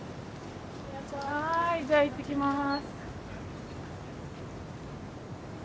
はいじゃあいってきます。